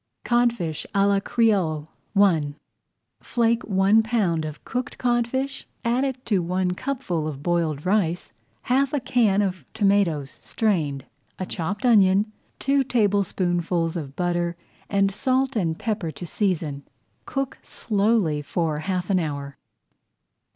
CODFISH À LA CREOLE I Flake one pound of cooked codfish, add to it one cupful of boiled rice, half a can of tomatoes strained, a chopped onion, two tablespoonfuls of butter, and salt and pepper to season. Cook slowly for half an hour.